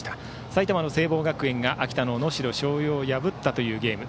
埼玉の聖望学園が秋田の能代松陽を破ったゲーム。